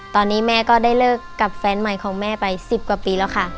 ตอนนี้แม่ก็ได้เลิกกับแฟนใหม่ของแม่ไป๑๐กว่าปีแล้วค่ะ